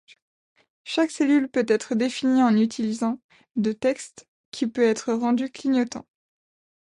Chaque cellule peut être définie en utilisant de texte qui peut être rendu clignotant.